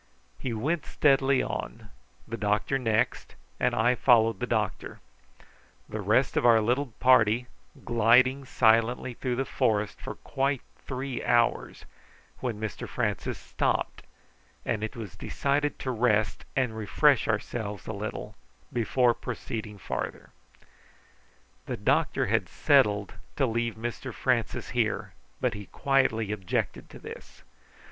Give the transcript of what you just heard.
He went steadily on, the doctor next, and I followed the doctor; the rest of our little party gliding silently through the forest for quite three hours, when Mr Francis stopped, and it was decided to rest and refresh ourselves a little before proceeding farther. The doctor had settled to leave Mr Francis here, but he quietly objected to this.